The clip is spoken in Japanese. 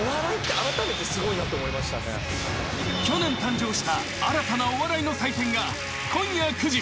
［去年誕生した新たなお笑いの祭典が今夜９時。